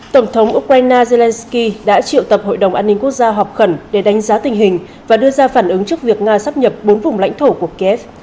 tổng thống ukraine zelenskyy đã triệu tập hội đồng an ninh quốc gia họp khẩn để đánh giá tình hình và đưa ra phản ứng trước việc nga sắp nhập bốn vùng lãnh thổ của kiev